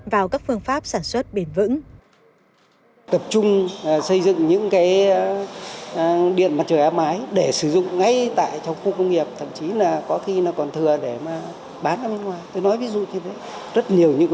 vào các phương pháp sản xuất bền vững